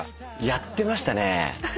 やってましたよ。